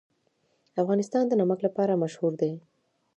افغانستان د نمک لپاره مشهور دی.